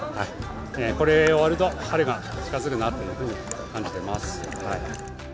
これが終わると、春が近づくなというふうに感じてます。